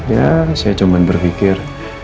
ya saya cuman berfikir